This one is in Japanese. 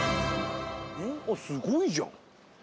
あっすごいじゃん。